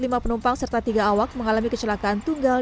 lima penumpang serta tiga awak mengalami kecelakaan tunggal